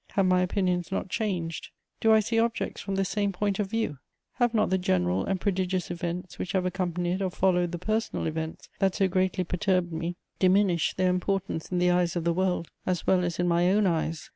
Have my opinions not changed? Do I see objects from the same point of view? Have not the general and prodigious events which have accompanied or followed the personal events that so greatly perturbed me diminished their importance in the eyes of the world, as well as in my own eyes?